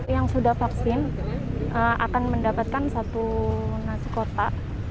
yang sudah vaksin akan mendapatkan satu nasi kotak